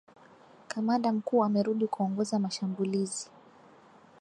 Kamanda mkuu amerudi kuongoza mashambulizi